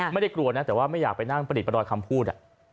ไม่ได้กลัวนะแต่ว่าไม่อยากไปนั่งประดิษฐประดอยคำพูด